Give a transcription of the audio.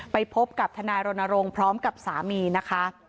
ไปพบกับทนายรณรงค์พร้อมกับสามีนะคะ